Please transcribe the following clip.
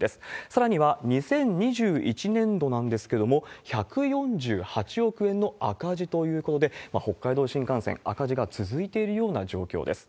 さらには２０２１年度なんですけれども、１４８億円の赤字ということで、北海道新幹線、赤字が続いているような状況です。